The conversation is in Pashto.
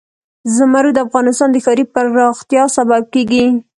زمرد د افغانستان د ښاري پراختیا سبب کېږي.